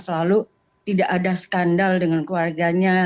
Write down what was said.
selalu tidak ada skandal dengan keluarganya